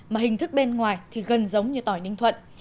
mà hình thức bên ngoài thì gần giống như tỏi ninh thuận